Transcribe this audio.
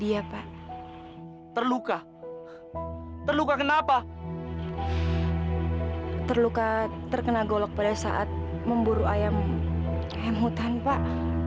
iya pak terluka terluka kenapa terluka terkena golok pada saat memburu ayam hutan pak